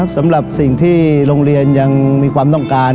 สำหรับสิ่งที่โรงเรียนยังมีความต้องการ